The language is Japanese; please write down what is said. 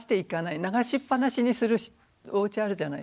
流しっぱなしにするおうちあるじゃない。